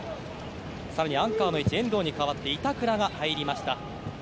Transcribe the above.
更に、アンカーの位置遠藤に代わって板倉が入りました。